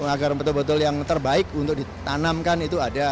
agar betul betul yang terbaik untuk ditanamkan itu ada